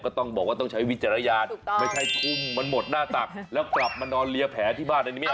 ต้องบอกว่าต้องใช้วิจารณญาณไม่ใช่ทุ่มมันหมดหน้าตักแล้วกลับมานอนเลียแผลที่บ้านอันนี้ไม่